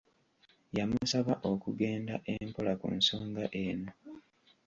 Yamusaba okugenda empola ku nsonga eno.